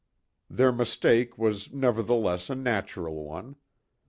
Their mistake was nevertheless a natural one.